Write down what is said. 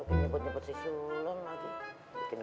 nyebet nyebet si sulam lagi